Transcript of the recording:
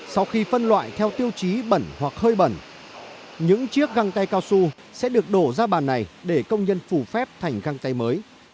sau khi phân loại theo tiêu chí bẩn hoặc hơi bẩn những chiếc găng tay cao su sẽ được đổ ra bàn này để công nhân phủ phép thành găng tay mới